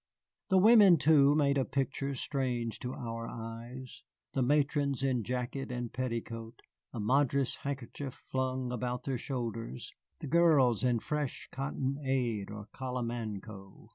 The women, too, made a picture strange to our eyes, the matrons in jacket and petticoat, a Madras handkerchief flung about their shoulders, the girls in fresh cottonade or calamanco.